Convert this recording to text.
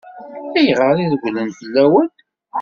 Ayɣer i regglen fell-awen?